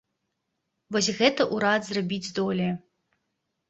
Вось гэта ўрад зрабіць здолее.